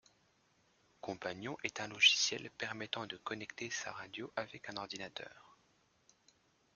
Companion est un logiciel permettant de connecter sa radio avec un ordinateur.